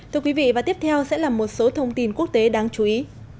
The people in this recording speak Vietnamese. thưa quý vị và tiếp theo sẽ là một số thông tin quốc tế đáng chú ý